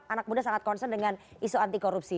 anak muda sangat concern dengan isu anti korupsi